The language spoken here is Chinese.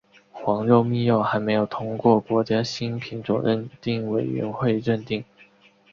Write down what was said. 黄肉蜜柚还没有通过国家新品种认定委员会认定。